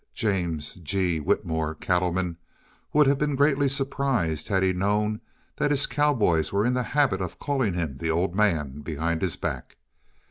James G. Whitmore, cattleman, would have been greatly surprised had he known that his cowboys were in the habit of calling him the Old Man behind his back.